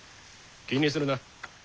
気にするな。